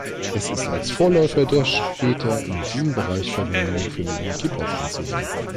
Es ist als Vorläufer der später in diesem Bereich Verwendung findenden Keyboards anzusehen.